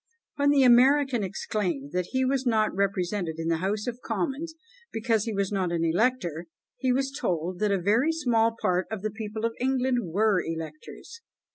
When the American exclaimed that he was not represented in the House of Commons, because he was not an elector, he was told that a very small part of the people of England were electors.